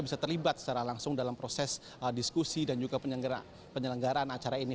bisa terlibat secara langsung dalam proses diskusi dan juga penyelenggaraan acara ini